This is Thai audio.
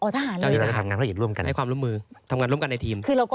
ทหารเลยครับให้ความร่วมมือทำงานร่วมกันในทีม